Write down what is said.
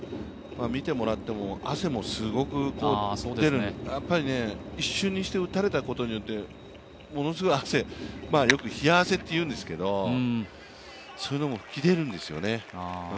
見てもらっても汗もすごく出る、一瞬にして打たれたことによってものすごく汗、よく冷や汗というんですけど、そういうものも吹き出るんですよね。